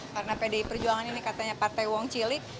karena pdi perjuangan ini katanya partai uang cilik